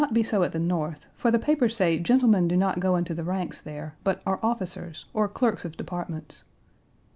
Page 178 so at the North, for the papers say gentlemen do not go into the ranks there, but are officers, or clerks of departments.